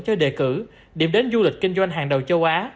cho đề cử điểm đến du lịch kinh doanh hàng đầu châu á